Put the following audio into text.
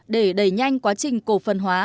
để đẩy nhanh quá trình cổ phần hóa